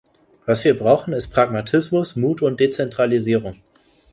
Was wir brauchen, ist Pragmatismus, Mut und Dezentralisierung.